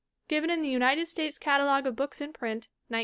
Given in the United States Catalogue of Books in Print (1912).